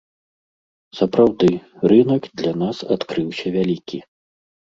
Сапраўды, рынак для нас адкрыўся вялікі.